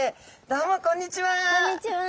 どうもこんにちは！